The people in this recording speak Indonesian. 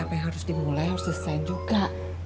saya harus dimulai harus also wiz juga